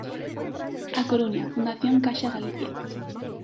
A Coruña: Fundación Caixa Galicia.